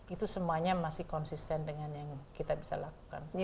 itu semuanya masih konsisten dengan yang kita bisa lakukan